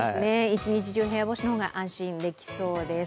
一日中、部屋干しの方が安心できそうです。